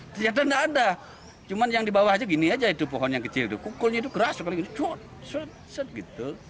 ternyata nggak ada cuma yang di bawah aja gini aja itu pohon yang kecil itu pukulnya itu keras sekali sut set gitu